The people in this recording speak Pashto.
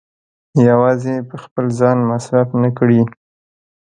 يوازې يې په خپل ځان مصرف نه کړي.